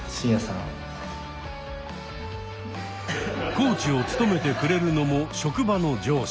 コーチを務めてくれるのも職場の上司。